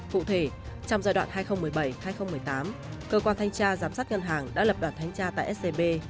cụ thể trong giai đoạn hai nghìn một mươi bảy hai nghìn một mươi tám cơ quan thanh tra giám sát ngân hàng đã lập đoạt thanh tra tại scb